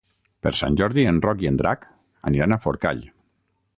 Per Sant Jordi en Roc i en Drac aniran a Forcall.